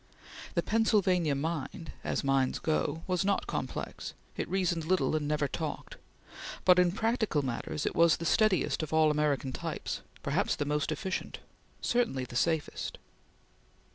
The Pennsylvania mind, as minds go, was not complex; it reasoned little and never talked; but in practical matters it was the steadiest of all American types; perhaps the most efficient; certainly the safest.